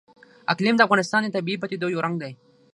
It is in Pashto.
اقلیم د افغانستان د طبیعي پدیدو یو رنګ دی.